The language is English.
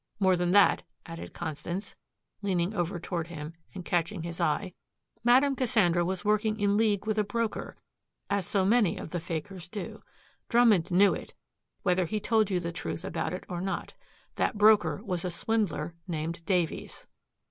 More than that," added Constance, leaning over toward him and catching his eye, "Madame Cassandra was working in league with a broker, as so many of the fakers do. Drummond knew it, whether he told you the truth about it or not. That broker was a swindler named Davies."